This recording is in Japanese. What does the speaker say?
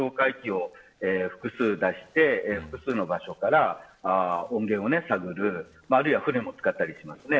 例えば、哨戒機を複数出して複数の場所から音源を探る、あるいは船も使ったりします。